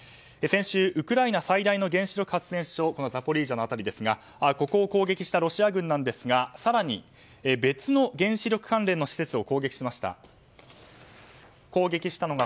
先週、ウクライナ最大の原子力発電所ザポリージャの辺りですがここを攻撃したロシア軍ですが更に別の原子力関連の施設を攻撃しました。